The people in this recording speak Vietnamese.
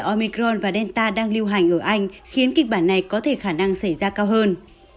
ở micron và delta đang lưu hành ở anh khiến kịch bản này có thể khả năng xảy ra cao hơn